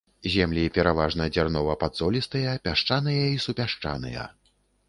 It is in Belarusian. Землі пераважна дзярнова-падзолістыя, пясчаныя і супясчаныя.